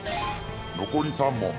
残り３問。